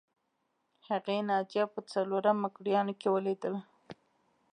هغې ناجیه په څلورم مکروریانو کې ولیدله